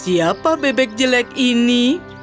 siapa bebek jelek ini